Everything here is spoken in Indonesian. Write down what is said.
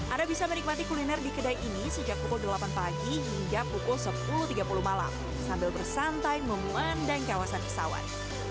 anda bisa menikmati kuliner di kedai ini sejak pukul delapan pagi hingga pukul sepuluh tiga puluh malam sambil bersantai memandang kawasan kesawan